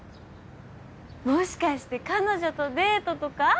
もしかして彼女とデートとか？